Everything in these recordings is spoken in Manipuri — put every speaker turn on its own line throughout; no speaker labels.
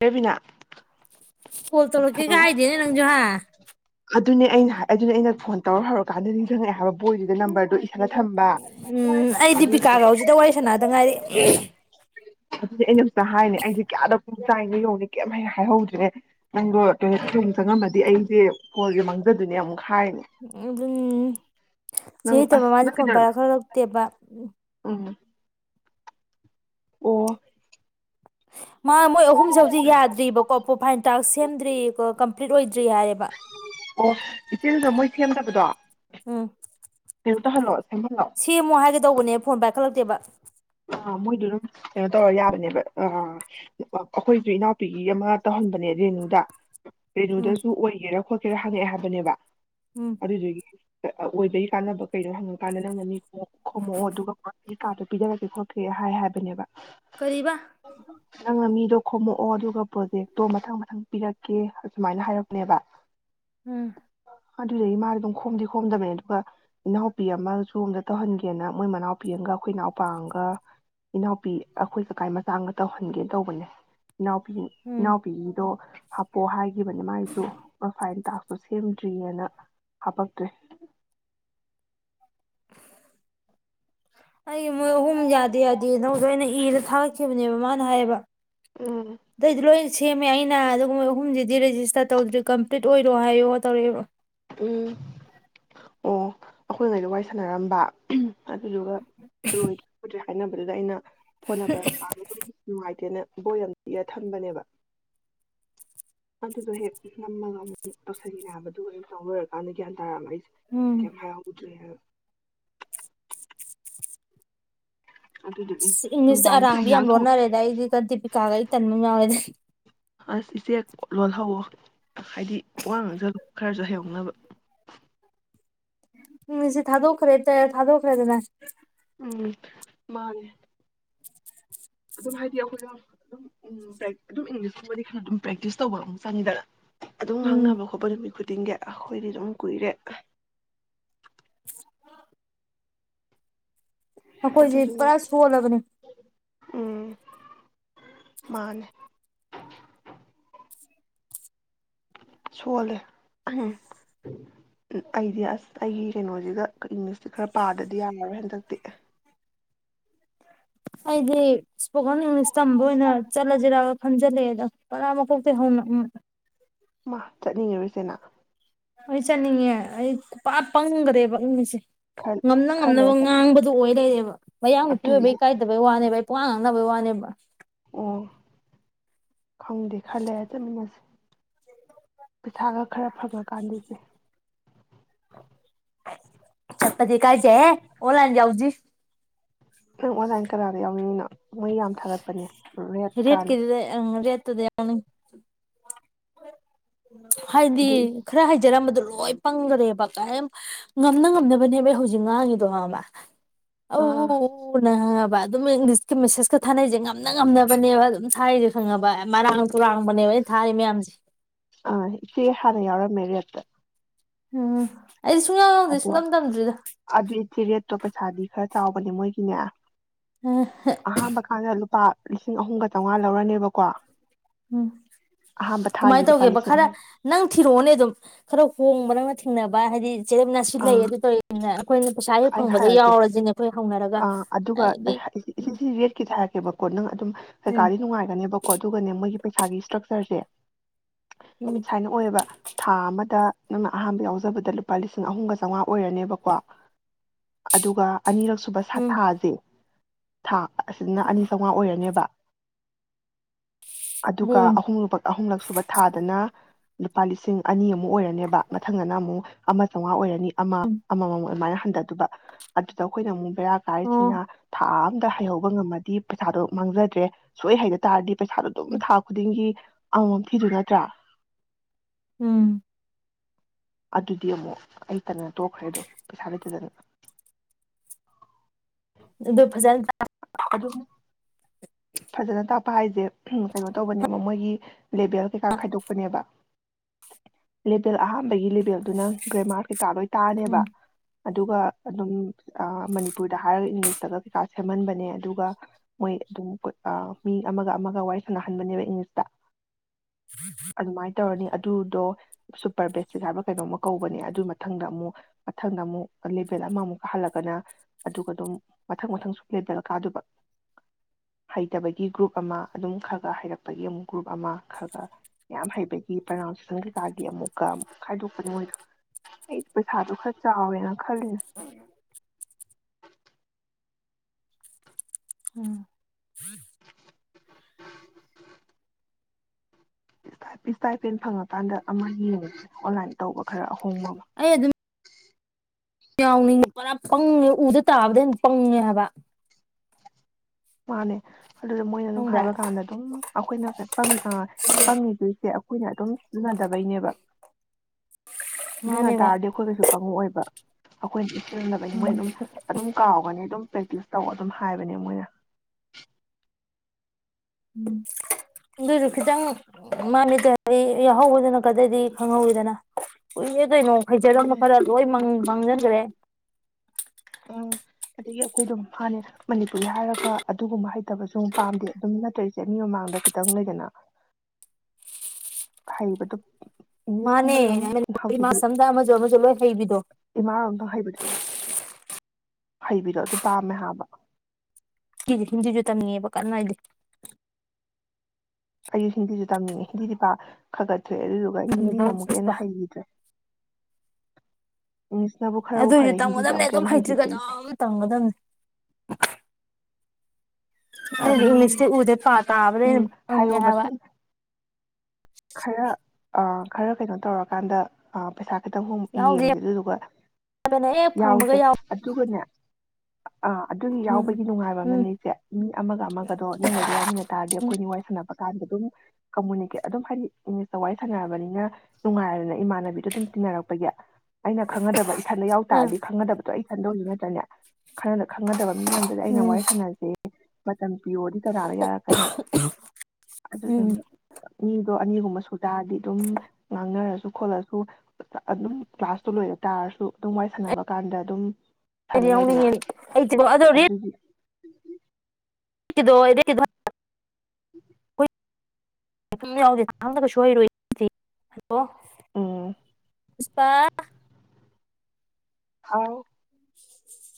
ꯔꯦꯕꯤꯅꯥ
ꯀꯣꯜ ꯇꯣꯂ
ꯍꯜꯂꯣ
ꯀꯦꯒꯥꯏꯗꯅꯦ ꯅꯪꯁꯨꯍ
ꯑꯗꯨꯅꯦ ꯑꯩꯅ ꯍꯥꯏ ꯑꯗꯨꯅ ꯑꯩꯅ ꯐꯣꯟ ꯇꯧꯔ ꯍꯧꯔꯀꯥꯟꯗ ꯅꯤꯡꯁꯤꯡꯉꯑꯦ ꯍꯥꯏꯕ ꯕꯣꯏꯗꯨꯗ ꯅꯝꯕꯔꯗꯣ ꯏꯁꯜꯂ ꯊꯝꯕ
ꯎꯝ ꯑꯩ
ꯑꯗꯨ
ꯗꯤꯄꯤꯀꯥꯒꯥꯎꯖꯤꯗ ꯋꯥꯔꯤ ꯁꯥꯟꯅꯗ ꯉꯥꯏꯔ
ꯑꯗꯨꯩꯅ ꯍꯥꯏꯅꯤ ꯑꯩꯁꯦ ꯀꯌꯥꯗ ꯆꯥꯏꯅꯤ ꯌꯧꯅꯤ ꯀꯩꯝ ꯍꯥꯏꯩ ꯍꯥꯏꯍꯧꯗ꯭ꯦꯅꯦ ꯅꯪꯗꯣ ꯇꯣꯏꯦ ꯁ ꯆꯪꯉꯝꯃꯗꯤ ꯑꯩꯁꯦ ꯐꯣꯟꯁꯦ ꯃꯥꯡꯖꯗꯣꯏꯅꯦ ꯑꯃꯨꯛ ꯍꯥꯏꯔꯤꯅꯦ
ꯎꯝ ꯁꯤ
ꯅꯪ ꯑꯁ
ꯍꯇꯕ ꯃꯥꯁꯦ
ꯅꯪ
ꯐꯣꯟ
ꯀꯩꯗꯧꯔꯝꯃꯤ
ꯄꯔꯥ ꯈꯔ ꯂꯧꯛꯇꯦꯕ ꯎ
ꯎꯝ ꯑꯣ
ꯃꯥ ꯃꯣꯏ ꯑꯍꯨꯝꯁꯦ ꯍꯧꯖꯤꯛ ꯌꯥꯗ꯭ꯔꯤꯕꯀꯣꯣ ꯐꯥꯏꯟ ꯇꯥꯛꯁ ꯁꯦꯝꯗ꯭ꯔꯤꯣ ꯄ꯭ꯂꯤꯠ ꯑꯣꯏꯗ꯭ꯔꯤ ꯍꯥꯏꯔꯦꯕ
ꯑꯣ ꯏꯆꯦꯅꯣ ꯃꯣꯏ ꯁꯦꯝꯗꯕꯗꯣ
ꯎꯝ
ꯇꯍ ꯂꯣ
ꯁꯦꯝꯃꯣ ꯍꯥꯏꯒꯗꯧꯕꯅꯦ ꯐꯣꯟ ꯄꯥꯏꯈꯠꯂꯛꯇꯦꯕ [unintelligible]
ꯑ ꯃꯣꯏꯗꯨ ꯑꯗꯨꯝ ꯀꯩꯅꯣ ꯇꯧꯔ ꯌꯥꯕꯅꯦꯕ ꯑ ꯑꯩꯈꯣꯏꯁꯨ ꯏꯅꯥꯎꯄꯤꯒꯤ ꯑꯃ ꯇꯧꯍꯟꯕꯅꯦ ꯔꯦꯅꯨꯗ
ꯎꯝ
ꯀꯩꯅꯨꯗꯁꯨ ꯑꯣꯏꯒꯦꯔ ꯈꯤꯔ ꯍꯪꯉꯛꯑꯦ ꯍꯥꯏꯕꯅꯦꯕ
ꯎꯝ
ꯑꯗꯤꯒ ꯑꯣꯏꯕꯒꯤ ꯀꯥꯟꯅꯕ ꯀꯩꯅꯣ ꯍꯪꯉꯀꯥꯟꯗ ꯅꯪꯅ ꯃꯤ ꯈꯣꯝꯃꯛꯑꯣ ꯑꯗꯨꯒ ꯀꯥꯗꯣ ꯄꯤꯔꯛ ꯈ ꯈꯣꯠꯀꯦ ꯍꯥꯏꯕꯅꯦꯕ
ꯀ
ꯅ ꯅꯪꯅ ꯃꯤꯗꯣ ꯈꯣꯝꯃꯛꯛꯑꯣ ꯑꯗꯨꯒ ꯄ꯭ꯔꯣꯖꯦꯛꯇꯣ ꯃꯊꯪ ꯃꯊꯪ ꯄꯤꯔꯛꯀꯦ ꯑꯁꯨꯃꯥꯏꯅ ꯍꯥꯏꯔꯛꯄꯅꯦꯕ
ꯎꯝ
ꯑꯗꯨꯗꯒꯤ ꯃꯥꯗꯤ ꯑꯗꯨꯝ ꯈꯣꯝꯗꯤ ꯈꯣꯝꯗꯕꯅꯦ ꯑꯗꯨꯒ ꯏꯅꯥꯎꯄꯤ ꯑꯃꯁ ꯁꯣꯝꯗ ꯇꯧꯍꯟꯒꯦꯅ ꯃꯣꯏ ꯃꯅꯥꯎꯄꯤ ꯑꯃꯒ ꯑꯩꯈꯣꯏ ꯏꯅꯥꯎꯄꯥ ꯑꯒ ꯏꯅꯥꯎꯄꯤ ꯑꯩꯈꯣꯏ ꯀꯀꯥꯏ ꯃꯇꯥꯡꯒ ꯇꯧꯍꯟꯒꯦ ꯇꯧꯕꯅꯦ ꯏꯅꯥꯎꯄꯤ
ꯎꯝ
ꯏꯅꯥꯎꯄꯤꯗꯣ ꯍꯥꯞꯄꯣꯑꯣ ꯍꯥꯏꯈꯤꯕꯅꯤ ꯃꯥꯒꯤꯁꯨ ꯄ꯭ꯔꯣꯐꯥꯏꯟ ꯇꯥꯛꯁꯇꯨ ꯁꯦꯝꯗ꯭ꯔꯤꯑꯅ ꯍꯥꯄꯛꯇ꯭ꯔꯦ
[unintelligible] ꯑꯩ ꯃꯣꯏ ꯑꯍꯨꯝ ꯌꯥꯗꯦ ꯌꯥꯗꯦ ꯅꯧꯗ ꯑꯩꯅ ꯏꯗ ꯊꯥ ꯆꯠꯈꯤꯕꯅꯦꯕ ꯃꯥꯅ ꯍꯥꯏꯌꯦꯕ
ꯎꯝ
ꯑꯗꯨꯗ ꯂꯣ ꯁꯦꯝꯃꯦ ꯑꯩꯅ ꯑꯗꯨꯒꯨꯝꯕ ꯑꯍꯨꯝꯁꯤꯗꯤ ꯔꯦꯖꯤꯁꯇꯔ ꯇꯧꯗ꯭ꯔꯤ ꯀꯝꯄ꯭ꯂꯤꯠ ꯑꯣꯏꯔꯣ ꯍꯥꯏꯌꯣ ꯇꯧꯔꯛꯏꯦꯕꯣ
ꯎꯝ ꯑꯣ ꯑꯩꯈꯣꯏꯉꯩꯗ ꯋꯥꯔꯤ ꯁꯥꯟꯅꯔꯝꯕ ꯑ ꯌꯕ ꯂ ꯍꯥꯏꯅꯕꯗꯨꯗ ꯑꯩꯅ ꯍꯣꯠꯅꯕ꯭ꯔ ꯀꯗ ꯑꯗꯨꯝ ꯅꯨꯡꯉꯥꯏꯇꯦꯅ ꯕꯣꯏ ꯑꯃ ꯄꯤꯒ ꯊꯟꯝꯕꯅꯦꯕ ꯑꯗꯨꯗꯣ ꯍꯦꯛ ꯅꯝꯃꯒ ꯇꯧꯁꯤꯟꯒꯅꯦ ꯍꯥꯏꯕꯗꯨ ꯇꯔ ꯀꯥꯟ ꯀꯌꯥ ꯇ
ꯎꯝ
ꯀꯃꯦꯥꯏ ꯌꯥꯨꯖ ꯑꯗꯨꯗꯨꯒꯤ
ꯏꯪꯂꯤꯁꯁꯦ
ꯅꯨꯡꯗꯥꯡꯗꯤ ꯀꯩ
ꯑꯔꯥꯡꯕꯤ ꯌꯥꯝ
ꯏꯟꯖꯥꯡ ꯊꯣꯡ
ꯂꯣꯟꯅꯔꯦꯗ ꯑꯩꯗꯤꯒ ꯗꯤꯄꯤꯀꯥꯒ ꯑꯩ ꯇꯟꯐꯝ ꯌꯥꯎꯋꯦꯗ
ꯑꯁ ꯏꯆꯦ ꯂꯣꯜꯍꯧꯋꯣ ꯍꯥꯏꯗꯤ ꯄꯋꯥꯡ ꯉꯥꯡꯁ ꯑꯗꯨ ꯈꯔꯁꯨ ꯍꯩꯍꯧꯅꯕ
ꯎꯝ ꯁꯤ ꯊꯥꯗꯣꯛꯈ꯭ꯔꯦ ꯊꯥꯗꯣꯛꯈ꯭ꯔꯦꯗꯅ
ꯎꯝ ꯃꯥꯅꯦꯅꯦ ꯑꯗꯨꯝ ꯍꯥꯏꯗꯤ ꯑꯩꯈꯣꯏꯅ ꯑꯗꯨꯝ ꯑꯗꯨꯝ ꯏꯪꯂꯤꯁꯀꯨꯝꯕꯗꯤ ꯈꯔ ꯑꯗꯨꯝ ꯄ꯭ꯔꯦꯛꯇꯤꯁ ꯇꯧꯕ ꯑꯃꯨꯛ ꯆꯪꯉꯤꯗꯅ ꯑꯗꯨꯝ
ꯎꯝ
ꯍꯥꯡꯅꯕ ꯈꯣꯠꯄ ꯅꯨꯃꯤꯠ ꯈꯨꯗꯤꯡꯒꯤ ꯑꯈꯣꯏꯗꯤ ꯑꯗꯨꯝ ꯀꯨꯏꯔꯦ
[unintelligible] ꯑꯩꯈꯣꯏꯁꯦ
ꯑꯗꯨꯗꯨꯅ
ꯄꯨꯔꯥ ꯁꯣꯜꯂꯕꯅꯤ
ꯎꯝ ꯃꯥꯅꯦ ꯁꯣꯜꯂꯦ ꯑꯩꯗꯤ ꯑꯁ ꯑꯩꯒꯤ ꯀꯩꯅꯣꯁꯤꯒ ꯏꯪꯂꯤꯁꯇꯤ ꯈꯔ ꯄꯥꯗꯗꯤ ꯌꯥꯔꯔꯣꯏ ꯍꯟꯗꯛꯇꯤ
ꯑꯩꯗꯤ ꯏꯁꯄꯣꯀꯟ ꯏꯪꯂꯤꯁ ꯇꯝꯕ ꯑꯣꯏꯅ ꯆꯠꯂꯁꯤꯔꯒ ꯐꯝꯖꯤꯜꯂꯛꯑꯦ ꯑꯗ ꯄꯔꯥ ꯃꯀꯣꯛꯇ ꯍꯧꯅ
ꯃꯥ ꯆꯠꯅꯤꯡꯉꯔꯨꯁꯦꯅ
ꯍꯣꯏ ꯆꯠꯅꯤꯡꯉꯦ ꯑꯩ ꯄ ꯄꯪꯒꯗꯦꯕꯪꯉꯁꯦ
ꯈꯔ
ꯉꯝꯅ
ꯈꯔ
ꯉꯝꯅꯕ
ꯂꯩꯔ ꯆꯠꯂꯤ
ꯉꯥꯡꯕꯗꯨ ꯑꯣꯏ ꯂꯩꯔꯦꯕ ꯃꯌꯥ ꯅꯨꯄꯤ
ꯑꯗꯨꯒꯤꯁꯨ
ꯑꯣꯏꯕꯩ ꯀꯥꯏꯗꯕꯩ ꯋꯥꯅꯦꯕ ꯋꯥ ꯉꯥꯡꯅꯕꯩ ꯋꯥꯅꯦꯕ
ꯑꯣ ꯈꯪꯗꯦ ꯈꯔ ꯂꯩꯔꯦ ꯆꯠꯃꯤꯟꯅꯁꯦ ꯄꯩꯁꯥꯒ ꯈꯔ ꯐꯪꯉꯀꯥꯟꯗꯁꯦ
ꯁꯠꯄ ꯊ ꯀꯥꯏ ꯆꯦ ꯑꯣꯂꯅ ꯌꯥꯎꯖꯤ
ꯅꯪ ꯑꯣꯟꯂꯥꯏꯟ ꯀꯗꯥꯥꯗ ꯌꯥꯎꯅꯤꯡ ꯃꯤꯅ ꯃꯣꯏ ꯌꯥꯝ ꯊꯥꯒꯠꯄꯅꯦ ꯔꯦꯠ ꯀꯥꯅ
ꯠꯇꯗꯅ ꯍ ꯍꯥꯏꯗꯤ
ꯑꯗꯨ
ꯈꯔ ꯍꯥꯏꯗꯤ ꯖꯔꯝꯕꯗꯨꯣ ꯂꯣꯏ ꯄꯪꯈꯔꯦꯕ ꯀꯔꯤꯝ ꯉꯝꯅ ꯉꯝꯅꯕꯅꯦꯕ ꯑꯩ ꯍꯧꯖꯤꯛ ꯉꯥꯡꯉꯤꯗꯣ ꯃꯥ ꯑꯃ
ꯑꯥ
ꯑꯅ ꯑꯗꯨꯝ ꯏꯪꯂꯤꯁ ꯃꯦꯁꯦꯁꯀ ꯊꯥꯅꯩꯁꯦ ꯉꯝꯅ ꯉꯝꯅꯕꯅꯦꯕ ꯑꯗꯨꯝ ꯊꯥꯔꯤꯁꯦ ꯈꯪꯉꯕ ꯃꯔꯥꯡ ꯇꯨꯔꯥꯡꯕꯅꯦꯕ ꯊꯥꯔꯤ ꯃꯌꯥꯝ
ꯑ ꯏꯆꯦ ꯍꯔ ꯌꯥꯎꯔꯝꯃꯦ ꯠꯇ
ꯎꯝ ꯑꯩꯗꯤ ꯁꯨꯡꯌꯥꯎ ꯌꯥꯎꯗꯦ
ꯑꯗꯨꯗ
ꯁꯨꯡꯇꯝ
ꯑꯗꯨ
ꯇꯝꯗ꯭ꯔꯤꯗ
ꯑꯗꯨ ꯏ ꯊꯤ ꯔꯠ ꯊꯣꯛ ꯄꯩ ꯁꯥꯥꯗꯤ ꯈꯔ ꯆꯥꯎꯕꯅꯦ ꯃꯣꯏꯒꯤꯅꯦ ꯑ
ꯎꯝ
ꯃꯈꯈꯥꯗꯂꯨ ꯂꯨꯄꯥ ꯂꯤꯁꯤꯡ ꯑꯍꯨꯝꯒ ꯆꯥꯝꯃꯉꯥ ꯂꯧꯔꯅꯦꯕꯀꯣ
ꯎꯝ
ꯑꯍꯥꯝꯕ ꯊꯥꯒꯤ
ꯀꯃꯥꯏꯅ
ꯂꯨꯄꯥ
ꯇꯧꯒꯦꯕ
ꯂꯤꯁꯤꯡ
ꯈꯔ
ꯑꯍꯨꯝ
ꯅꯪ ꯊꯤꯔꯛꯑꯣꯅꯦ ꯑꯗꯨꯝ ꯈꯔ ꯍꯣꯡꯕ ꯅꯪ ꯊꯤꯡꯅꯕ ꯍꯥꯏꯗꯤ ꯆꯝꯅꯁꯨ ꯂꯩꯌꯦ
ꯑꯥ
ꯑꯗꯨ ꯇꯧ
ꯑꯩ ꯍꯥꯏꯔꯒꯦ
ꯍꯧꯅꯔꯒ
ꯑ ꯑꯗꯨꯒ
ꯍꯥꯏꯗꯤ
ꯁꯤ ꯔꯦꯠꯀꯤ ꯍꯥꯏꯔꯛꯀꯦꯕꯀꯣ ꯅꯪ ꯑꯗꯨꯝ
ꯎꯝ
ꯀꯩꯀꯥꯗꯤ ꯅꯨꯡꯉꯥꯏꯒꯅꯦꯕꯀꯣ ꯑꯗꯨꯒꯅꯦ ꯃꯣꯏꯒꯤ ꯄꯩꯁꯥꯒꯤ ꯏꯁꯇ꯭ꯔꯛꯆꯔꯁꯦ
ꯎꯝ
ꯁꯨꯃꯥꯏꯅ ꯑꯣꯏꯌꯦꯕ ꯊꯥ ꯑꯃꯗ ꯅꯪꯅ ꯑꯍꯥꯟꯕ ꯌꯥꯎꯖꯕꯗ ꯂꯨꯄꯥ ꯂꯤꯁꯤꯡ ꯑꯍꯨꯝꯒ ꯆꯥꯝꯃꯉꯥ ꯑꯣꯏꯔꯅꯦꯕꯀꯣ ꯑꯗꯨꯒ ꯑꯅꯤꯔꯛ ꯁꯨꯕ
ꯎꯝ
ꯁꯥꯊꯥꯁꯦ ꯊꯥ ꯑꯁꯤꯅ ꯑꯅꯤ ꯆꯥꯝꯃꯉꯥ ꯑꯣꯏꯔꯅꯦꯕ ꯑꯗꯨꯒ
ꯎꯝ
ꯑꯍꯨꯝꯔꯨꯕ ꯑꯍꯨꯝꯂꯛ ꯁꯨꯕ ꯊꯥꯗꯅ ꯂꯨꯄꯥ ꯂꯤꯁꯤꯡ ꯑꯅꯤ ꯑꯃꯨꯛ ꯑꯣꯏꯔꯅꯦꯕ ꯃꯊꯪꯗꯅ ꯑꯃꯨꯛ ꯑꯃ ꯆꯥꯝꯃꯉꯥ ꯑꯣꯏꯔꯅꯤ ꯑꯃ
ꯎꯝ
ꯑꯃꯃ ꯑꯣꯏꯃꯥꯏ ꯍꯟꯊꯕ ꯑꯗꯨꯗ ꯑꯩꯈꯣꯏꯅ ꯑꯃꯨꯛ
ꯑꯣ
ꯀꯥꯏꯁꯤꯅ ꯊꯝ ꯍꯩꯍꯧꯕ ꯉꯝꯃꯗꯤ ꯄꯩꯁꯥꯗꯣ ꯃꯥꯡꯖꯗ꯭ꯔꯦ ꯁꯣꯏ ꯍꯩꯗ ꯇꯥꯔꯗꯤ ꯄꯩꯁꯥꯗꯣ ꯑꯗꯨꯝ
ꯎꯝ
ꯊꯥ ꯈꯨꯗꯤꯡꯒꯤ ꯑꯝ ꯊꯤꯗꯨ ꯅꯠꯇ꯭ꯔꯥ
ꯎꯝ
ꯑꯗꯨꯗꯤ ꯑꯃꯨꯛ ꯑꯩꯇꯅꯅ ꯇꯣꯛꯈ꯭ꯔꯦ ꯑꯗꯣ ꯄꯩꯁꯥ ꯂꯩꯇꯗꯅꯅ
ꯑꯗꯨ ꯐꯖꯅ
ꯑꯗꯨ
[unintelligible]
ꯏꯄꯥ ꯍꯥꯏꯁꯦ ꯀꯩꯅꯣ ꯇꯧꯕꯅꯦꯕ ꯃꯣꯏꯒꯤ ꯂꯦꯕꯦꯜ ꯀꯩꯀꯥ ꯈꯥꯏꯗꯣꯛꯄꯅꯦꯕ ꯂꯦꯕꯦꯜ ꯑꯍꯥꯟꯕꯒꯤ ꯂꯦꯕꯦꯜꯗꯨꯅ ꯒ꯭ꯔꯦꯃꯥꯔ ꯀꯩꯀꯥ ꯂꯣꯏ ꯇꯥꯅꯦꯦꯕ
ꯎꯝ
ꯑꯗꯨꯒ ꯑꯗꯨꯝ ꯃꯅꯤꯄꯨꯔꯗ ꯍꯥꯏꯔꯒ ꯏꯪꯂꯤꯁꯇꯒ ꯀꯩꯀꯥ ꯁꯦꯝꯍꯟꯕꯅꯦ ꯑꯗꯨꯒ ꯃꯣꯏ ꯑꯗꯨꯝ ꯃꯤ ꯑꯃꯒ ꯑꯃꯒ ꯋꯥꯔꯤ ꯁꯥꯟꯅꯍꯟꯕꯅꯦꯕ ꯏꯪꯂꯤꯁꯇ ꯑꯗꯨꯃꯥꯏꯅ ꯇꯧꯔꯅꯤ ꯑꯗꯨꯗꯣ ꯁꯨꯄꯔ ꯕꯦꯁꯁꯤꯠ ꯍꯥꯏꯕ ꯀꯩꯅꯣꯝ ꯀꯧꯕꯅꯦ ꯑꯗꯨ ꯃꯊꯪꯗ ꯑꯃꯨꯛ ꯃꯊꯪꯗ ꯑꯃꯨꯛ ꯂꯦꯚꯦꯜ ꯑꯃꯃꯨꯛ ꯀꯥꯍꯜꯂꯛꯒꯅ ꯑꯗꯨꯒ ꯑꯗꯨꯝ ꯃꯊꯪ ꯃꯊꯪ ꯁ ꯂꯦꯚꯦꯜ ꯀꯥꯗꯕ ꯍꯩꯇꯕꯒꯤ ꯒ꯭ꯔꯨꯞ ꯑꯃ ꯑꯗꯨꯝ ꯈ ꯈꯔ ꯍꯩꯔꯛꯄꯒꯤ ꯑꯃꯨꯛ ꯒ꯭ꯔꯨꯞ ꯑꯃ ꯈ ꯈ ꯌꯥꯝ ꯍꯩꯕꯒꯤ ꯄ꯭ꯔꯅꯥꯎꯟꯁꯤꯦꯁꯟ ꯀꯩꯀꯥꯒꯤ ꯑꯃꯨꯛꯀ ꯑꯃꯨꯛ ꯈꯥꯏꯗꯣꯛꯄꯅꯤ ꯃꯣꯏꯗ ꯑꯩ ꯄꯩꯁꯥꯗꯨꯣ ꯈꯔ ꯆꯥꯎꯋꯦꯅ ꯈꯜꯂꯤꯅꯦ
ꯎꯝ
[unintelligible] ꯄꯤꯁꯇꯥꯏꯄꯦꯟ ꯐꯪꯉꯀꯥꯟꯗ ꯑꯃ ꯌꯦꯡꯉꯁꯦ ꯑꯣꯟꯂꯥꯏꯟ ꯇꯧꯕ ꯈꯔ ꯑ ꯍ
ꯌꯥꯎꯅꯤꯡ ꯄꯨꯔꯥ ꯄꯪꯉꯦ ꯎꯗ ꯇꯥꯕꯗ ꯑꯗꯨ ꯄꯪꯉꯦ ꯍꯥꯏꯕ
ꯃꯥꯅꯦ ꯑꯗꯨꯗ ꯃꯣꯏꯅ ꯑꯗꯨꯝ
ꯈꯪꯕ꯭ꯔꯥ
ꯍꯥꯏꯕ ꯀꯥꯟꯗ ꯑꯗꯨꯝ ꯑꯩꯈꯣꯏꯅ ꯑ ꯄꯪꯉꯤꯗꯣꯏꯁꯦ ꯀꯣꯏꯅ ꯇꯃꯤ ꯎꯗꯕꯩꯅꯦꯕ ꯁꯤꯅ
ꯃꯥꯅꯦꯕ
ꯇꯥꯔꯦꯣ ꯀꯁꯨ ꯑꯃ ꯑꯣꯏꯕ ꯑꯩꯈꯣꯏ ꯆꯅꯕꯅꯤ
ꯎꯝ
ꯃꯣꯏ ꯑꯗꯨꯝ ꯑꯗꯨꯝ ꯀꯥꯎꯒꯅꯤ ꯑꯗꯨꯝ ꯄ꯭ꯔꯦꯛꯇꯤꯁ ꯇꯧ ꯑꯗꯨꯝ ꯍꯥꯏꯕꯅꯦ ꯃꯣꯏꯅ
ꯎꯝ ꯑꯗꯨꯏꯁꯨ ꯈꯤꯇꯪ ꯃꯥꯃꯤꯗꯤ ꯌꯥꯎꯍꯧꯧꯕꯗꯅ ꯀꯗꯩꯗꯤ ꯈꯪꯍꯧꯋꯤꯗꯅꯨꯏ ꯀꯩꯅꯣ ꯈꯩꯖꯔꯝꯕ
ꯑꯗꯨꯅꯦ
ꯈꯔ ꯂꯣꯏ ꯃꯪ ꯃꯪꯖꯈ꯭ꯔꯦ
ꯎꯝ ꯑꯗꯨꯗꯒꯤ ꯑꯩꯈꯣꯏ ꯑꯗꯨꯝ ꯐꯥꯅꯤꯅ ꯃꯅꯤꯄꯨꯔꯤ ꯍꯥꯏꯔꯒ ꯑꯗꯨꯒꯨꯝꯕ ꯍꯥꯏ ꯐꯠꯇꯕꯁꯨ ꯄꯥꯝꯗꯦ ꯑꯗꯨꯝ ꯅꯠꯇ꯭ꯔꯤꯁꯦ ꯑꯅꯤ ꯃꯃꯥꯡꯗ ꯈꯤꯇꯪ ꯂꯩꯗꯅ ꯍꯩꯕꯗꯨ
ꯃꯥꯅꯦ ꯁꯝꯗ ꯑꯃꯁꯨ ꯑꯃꯁꯨ ꯂꯣꯏ ꯍꯩꯕꯤꯗꯣ
ꯍꯩꯕꯤꯔꯣ ꯑꯗꯨ ꯄꯥꯝꯃꯦ ꯍꯥꯏꯕ
ꯁꯤꯤꯗꯤ ꯍꯤꯟꯗꯤꯁꯨ ꯇꯝꯅꯤꯌꯦ ꯄꯀꯥꯅꯨꯡꯥꯏꯗꯤꯦ
ꯑꯩꯁꯨ ꯍꯤꯟꯗꯤꯁꯨ ꯇꯝꯅꯤꯡꯉꯦ ꯍꯤꯟꯗꯤꯗꯤ ꯄꯥ ꯈꯥꯒꯠ ꯭ꯔꯦ ꯑꯗꯨꯗꯨꯒ ꯍꯤꯟꯗꯤꯅ ꯑꯃꯨꯛꯀ ꯍꯦꯟꯅ ꯍꯩꯕꯤꯗ꯭ꯔꯦ
ꯑꯗꯨꯏꯁꯨ
ꯐꯔꯦ ꯍꯤꯟꯗꯤꯗꯤ
ꯇꯝꯒꯗꯕꯅꯦ
ꯑꯃꯨꯛꯀ
ꯑꯗꯨꯝ
ꯍꯦꯟꯅ ꯍꯩꯈꯤꯗ꯭ꯔꯦ
ꯍꯩꯇ꯭ꯔꯤꯒꯗ
ꯏꯆꯦ
ꯇꯝꯒꯗꯝꯅꯦ ꯑ
ꯇꯝꯅꯤꯡꯉꯤꯅꯦ
ꯏꯪꯁꯇ ꯎꯗ ꯄꯥ ꯇꯥꯕꯔ
ꯎꯝ ꯍꯥꯏꯔꯛꯑꯣ
ꯍꯥꯏꯕ
ꯃꯊꯪ ꯈꯔ ꯈꯔ ꯀꯩꯅꯣ ꯇꯧꯔꯀꯥꯟꯗ ꯄꯩꯁꯥ ꯈꯤꯇꯪꯣꯡ
ꯌꯥꯎꯗꯦ
ꯌꯦꯡꯁꯦ ꯑꯗꯨꯗꯨꯒ
ꯍꯥꯏꯕꯅ ꯍꯦꯛ ꯐꯪꯕꯒ
ꯌꯥꯎꯁꯦ
ꯌꯥꯎ
ꯑꯗꯨꯒꯅꯦ ꯑꯥ ꯑꯗꯨꯒꯤ
ꯎꯝ
ꯌꯥꯎꯕꯒꯤ ꯅꯨꯡꯉꯥꯏꯕ
ꯎꯝ
ꯑꯃꯅꯅꯦꯁꯦ ꯃꯤ ꯑꯃꯒ ꯑꯃꯒꯗꯣ ꯅꯪꯒꯩꯒ ꯌꯥꯎꯃꯤꯟꯅ ꯇꯥꯔꯗꯤ ꯑꯩꯈꯣꯏꯅꯤ ꯋꯥꯏ ꯁꯥꯟꯅꯕ ꯀꯗ ꯑꯗꯨꯝ ꯀꯃꯨꯅꯤꯦ ꯑꯗꯨꯝ ꯍꯥꯏꯗꯤ ꯏꯪꯂꯤꯁꯇ ꯋꯥꯔꯤꯏ ꯁꯥꯟꯅꯔꯕꯅꯤꯅ ꯅꯨꯡꯉꯥꯏꯔꯅ ꯏꯃꯥꯟꯅꯕꯤꯗꯣ ꯑꯗꯨꯝ ꯇꯤꯟꯅꯔꯛꯄꯒꯤ ꯑꯩꯅ ꯈꯪꯒꯗꯕ ꯏꯊꯟꯗ ꯌꯥꯎ
ꯎꯝ
ꯇꯥꯔꯗꯤ ꯈꯪꯒꯗꯕꯗꯣ ꯑꯩ ꯈꯟꯗꯣꯛꯂꯤꯉ ꯇꯅꯦ ꯈ ꯈꯪꯅꯗꯕ ꯃꯤ ꯑꯃꯗꯨꯗꯤ ꯑꯩꯅ
ꯎꯝ
ꯋꯥꯔꯤ ꯁꯥꯟꯅꯖꯦ ꯆꯟ ꯄꯤꯌꯣꯗꯤ ꯀꯅꯥꯅ ꯌꯥꯔꯛꯀꯅꯤ
ꯎꯝ
ꯑꯗꯨꯗꯨꯅ ꯃꯤꯗꯣ ꯑꯅꯤꯒꯨꯝꯕ ꯁꯨ ꯇꯥꯔꯗꯤ ꯑꯗꯨꯝ ꯉꯥꯡꯅꯔꯁꯨ ꯈꯣꯠꯂꯁꯨ ꯑꯗꯨꯝ ꯀ꯭ꯂꯥꯁꯇꯣ ꯂꯣꯏꯔ ꯇꯥꯔꯁꯨ ꯑꯗꯨꯝ ꯋꯥ ꯁꯥꯟꯅꯕ ꯀꯥꯟꯗ ꯑꯗꯨꯝ
ꯀ
ꯁꯥꯟꯅ ꯌꯥꯏꯗꯅ
ꯌꯥꯅꯤꯡꯉꯦ ꯑꯩ ꯑꯗꯣ
ꯎꯝ
ꯀꯗꯣ ꯏꯔ ꯀꯗ ꯁꯨ ꯍꯩꯔꯣꯏꯂꯣ
ꯎꯝ
ꯄꯨꯁꯄꯥ
ꯍꯥꯎ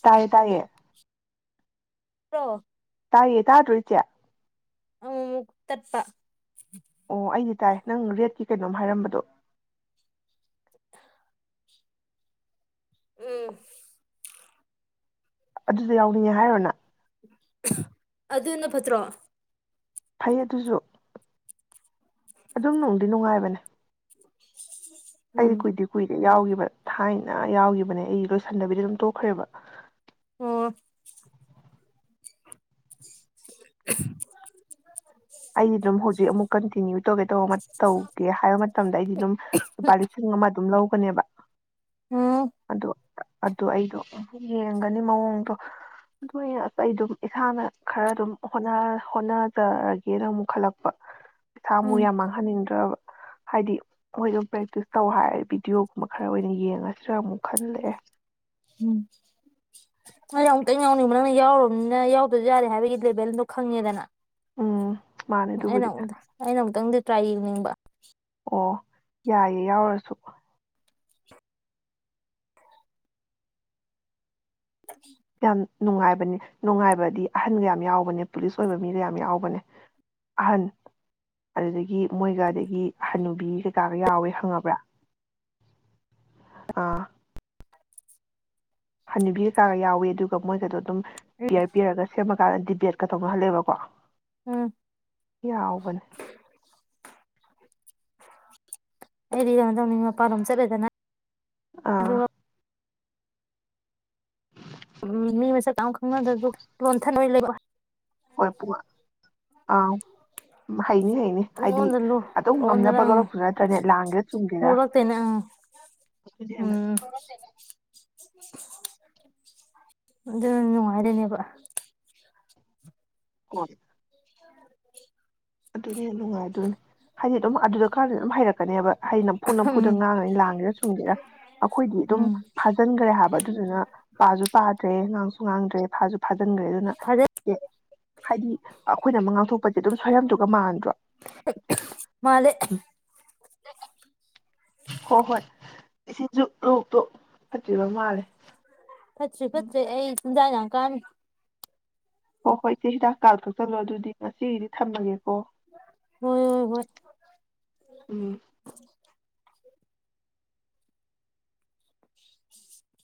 ꯇꯥꯏꯌꯦ ꯇꯥꯏꯌꯦ
ꯄ꯭ꯔꯣ
ꯇꯥꯏꯌꯦ ꯇꯥꯗ꯭ꯔꯣ ꯏꯆꯦ
ꯑ ꯇꯠꯄ
ꯑꯣ ꯑꯩꯗꯤ ꯇꯥꯏ ꯅꯪ ꯔꯦꯠꯀꯤ ꯀꯩꯅꯣꯝ ꯍꯥꯏꯔꯝꯕꯗꯣ
ꯎꯝ
ꯑꯗꯨꯗ ꯌꯥꯎꯅꯤꯡꯉꯦ ꯍꯥꯏꯔꯣꯅ
ꯑꯗꯨꯅ ꯐꯠꯇ꯭ꯔꯣ
ꯐꯩ ꯑꯗꯨꯁꯨ ꯑꯗꯨꯝ ꯅꯨꯡꯗꯤ ꯅꯨꯡꯉꯥꯏꯕꯅꯦ
ꯎꯝ
ꯀꯗꯤ ꯀꯨꯏꯗꯤ ꯀꯨꯏꯔꯦ ꯌꯥꯎꯈꯤꯕ ꯊꯥꯏꯅ ꯌꯥꯎꯒꯤꯈꯤꯕꯅꯦ ꯑꯩꯒꯤ ꯂꯣꯏꯁꯟꯗꯕꯤꯗꯤ ꯑꯗꯨꯝ ꯇꯣꯛꯈ꯭ꯔꯦꯕ
ꯑꯣ [unintelligible] [unintelligible]
ꯑꯩꯗ꯭ꯔꯣ ꯍ ꯑꯃꯨꯛ ꯀꯟꯇꯤꯟꯌꯨ ꯇꯧꯒꯦ ꯇ ꯇꯧꯒꯦ ꯍꯥꯏꯕ ꯃꯇꯝꯗ ꯑꯩꯗꯤ ꯑꯗꯨꯝ ꯂꯨꯄꯥ ꯂꯤꯁꯤꯡ ꯑꯃ ꯑꯗꯨꯝ ꯂꯧ ꯊꯕ
ꯎꯝ
ꯑꯗꯨ ꯑꯗꯨ ꯑꯩꯗꯣ ꯌꯦꯡꯒꯅꯤ ꯃꯑꯣꯡꯗꯣ ꯑꯗꯨ ꯑꯁ ꯑꯩ ꯑꯗꯨꯝ ꯏꯁꯥꯅ ꯈꯔ ꯑꯗꯨꯝ ꯍꯣꯠꯅꯖꯔꯒꯦꯅ ꯑꯃꯨꯛ ꯈꯠꯂꯛꯄ ꯄ ꯊꯥ ꯃꯨꯛ
ꯎꯝ
ꯌꯥꯝ ꯃꯥꯡꯍꯟꯅꯤꯡꯗ꯭ꯔꯕ ꯍꯥꯏꯗꯤ ꯃꯣꯏ ꯑꯗꯨꯝ ꯄ꯭ꯔꯦꯛꯇꯤꯁ ꯇꯧ ꯍꯥꯏꯔ ꯚꯤꯗꯤꯑꯣꯒꯨꯝꯕ ꯈꯔ ꯑꯣꯏꯅ ꯌꯦꯡꯉꯁꯤ ꯁꯤꯔ ꯑꯃꯨꯛ ꯈꯜꯂꯦ
ꯎꯝ ꯍꯗ ꯑꯃꯨꯛꯇꯪ ꯌꯥꯎꯅꯤꯡꯕ ꯅꯪꯅ ꯌꯥꯎꯔꯕꯅꯤꯅ ꯌꯥꯎꯗꯁꯨ ꯌꯥꯔꯦ ꯍꯥꯏꯕꯒꯤ ꯂꯦꯚꯦꯜꯗꯣ ꯈꯪꯉꯦꯗꯅ
ꯎꯝ ꯃꯥꯅꯦ
ꯑꯩꯅ
ꯑꯗꯨꯕꯨꯗꯤ
ꯑꯩꯅ ꯑꯃꯛꯇꯪ ꯇ꯭ꯔꯥꯏꯅꯤꯡꯕ
ꯑꯣ ꯌꯥꯏꯌꯦꯦ ꯌꯥꯎꯔꯁꯨ ꯑꯝ ꯅꯨꯡꯉꯥꯏꯕꯅꯦ ꯅꯨꯡꯉꯥꯏꯕꯗꯤ ꯑꯍꯟꯒ ꯌꯥꯝ ꯌꯥꯎꯕꯅꯦ ꯄꯨꯂꯤꯁ ꯑꯣꯏꯕ ꯃꯤꯒ ꯌꯥꯝ ꯌꯥꯎꯕꯅꯦ ꯑꯍꯟ ꯑꯗꯨꯗꯒꯤ ꯃꯣꯏꯒ ꯑꯗꯒꯤ ꯑꯍꯟꯟꯅꯨꯕꯤ ꯀꯩꯀꯥꯒ ꯌꯥꯎꯋꯦ ꯈꯪꯉꯕ꯭ꯔꯥ ꯑꯥ ꯍꯅꯕꯤꯔ ꯀꯥꯒ ꯌꯥꯎꯋꯤ ꯑꯗꯨꯒ ꯃꯣꯏꯒꯗ ꯑꯗꯨꯝ
ꯎꯝ
ꯄꯤꯌꯔ ꯄꯤꯔꯒ ꯁꯦꯝꯃ ꯀꯥꯟꯗꯗꯤ ꯔ ꯀꯩ ꯇꯧꯅꯍꯜꯂꯦꯕꯀꯣ
ꯎꯝ
ꯌꯥ ꯑꯣꯕꯅꯦ
ꯑꯦꯗꯤꯗ ꯇꯅꯤꯡ ꯃꯄꯥꯔꯝ ꯆꯔꯦꯗꯅ
ꯑꯥ
ꯎꯝ ꯃꯤ ꯃꯁꯛ ꯇ ꯈꯪꯅꯗ ꯑꯗꯨ ꯂꯣꯟꯊ ꯂꯩꯕ
ꯍꯣꯏ ꯄ ꯑꯥ ꯍꯩꯅꯤ ꯍꯩꯅꯤ ꯍꯥꯏꯗꯤ
ꯄꯨꯡꯂꯣꯟꯗ ꯂꯨ
ꯑꯗꯨꯝ
ꯄꯨꯡꯂꯣꯟꯗꯅ
ꯉꯝꯅꯕ
ꯑꯪ
ꯂꯧꯔꯛꯁꯨ ꯅꯠꯇ꯭ꯔꯅꯦ ꯂꯥꯡꯒꯦꯔꯥ ꯆꯨꯝꯒꯦꯔ
ꯂꯣꯜꯂꯛꯇꯣꯏꯅꯦ ꯑꯪ
[unintelligible]
ꯑꯗꯨ ꯅꯨꯡꯉꯥꯏꯔꯅꯦꯕ
ꯍ ꯑꯗꯨꯅꯦ ꯌꯥꯝ ꯅꯨꯡꯉꯥꯏ ꯑꯗꯨꯅꯤ ꯍꯥꯏꯗꯤ ꯑꯗꯨꯝ ꯑꯗꯨꯗ ꯈꯔꯗ ꯑꯗꯨꯝ ꯍꯥꯏꯔꯛꯄ ꯀꯅꯦꯕ ꯍꯩ ꯅꯝꯐꯨ
ꯎꯝ
ꯅꯝꯐꯨꯗ ꯉꯥꯡꯉꯅꯤ ꯂꯥꯡꯒꯦꯔꯥ ꯁꯨꯝꯒꯦꯔꯥ ꯑꯩꯈꯣꯏꯗꯤ ꯑꯗꯨꯝ
ꯎꯝ
ꯐꯥꯖꯤꯟꯈ꯭ꯔꯦ ꯍꯥꯏꯕ ꯑꯗꯨꯗꯨꯅ ꯄꯥꯁꯨ ꯄꯥꯗ꯭ꯔꯦ ꯉꯥꯡꯁꯨ ꯉꯥꯡꯗ꯭ꯔꯦ ꯐꯥꯁꯨ ꯐꯥꯖꯤꯟꯈ꯭ꯔꯦ ꯑꯗꯨꯅ
ꯐꯖ
ꯑꯦ ꯍꯥꯏꯗꯤ ꯑꯩꯈꯣꯏꯅ ꯑꯃ ꯉꯥꯡꯊꯣꯛꯄꯁꯦ ꯑꯗꯨꯝ ꯁꯣꯏꯔꯝ ꯊꯣꯛ ꯃꯥꯟꯥꯟꯗ꯭ꯔꯣ
ꯃꯥꯜꯂꯦ
ꯑ ꯍꯣꯏ ꯍꯣꯏ ꯁꯤꯁꯨ ꯂꯣꯛꯇꯨ ꯐꯠꯇ꯭ꯔꯤꯕ ꯃꯥꯜꯂꯦ
ꯐꯠꯇ꯭ꯔꯤ
ꯎꯝ
ꯐꯠꯇ꯭꯭ꯔꯦ ꯑꯩ ꯅ ꯀꯥꯟ
ꯍꯣꯏ ꯍꯣꯏ ꯏꯆꯦ ꯍꯤꯗꯥꯛ ꯀꯥ ꯀꯛꯆꯜꯂꯣ ꯑꯗꯨꯗꯤ ꯉꯁꯤꯒꯤꯗꯤ ꯊꯝꯃꯒꯦ
ꯍꯣꯏ ꯍꯣꯏ
ꯎꯝ
ꯎꯝ